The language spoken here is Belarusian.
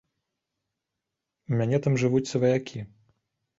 У мяне там жывуць сваякі.